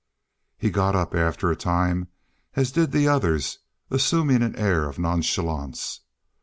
He got up after a time, as did the others, assuming an air of nonchalance.